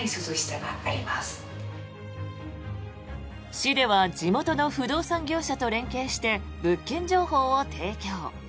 市では地元の不動産業者と連携して物件情報を提供。